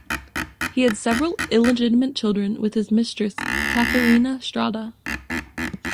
He had several illegitimate children with his mistress Catherina Strada.